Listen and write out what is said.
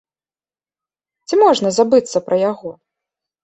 Ці можна забыцца пра яго?